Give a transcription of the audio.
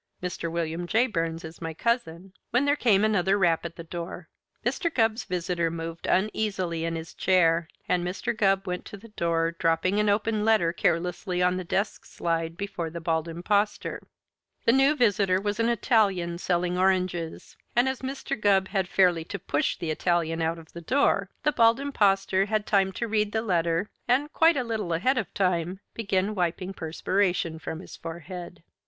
Mr. William J. Burns is my cousin " when there came another rap at the door. Mr. Gubb's visitor moved uneasily in his chair, and Mr. Gubb went to the door, dropping an open letter carelessly on the desk slide before the Bald Impostor. The new visitor was an Italian selling oranges, and as Mr. Gubb had fairly to push the Italian out of the door, the Bald Impostor had time to read the letter and, quite a little ahead of time, began wiping perspiration from his forehead.